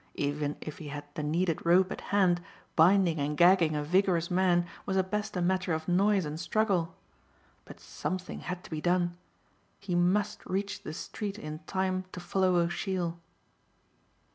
Even if he had the needed rope at hand binding and gagging a vigorous man was at best a matter of noise and struggle. But something had to be done. He must reach the street in time to follow O'Sheill.